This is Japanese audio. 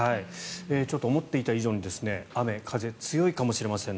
ちょっと思っていた以上に雨風強いかもしれません。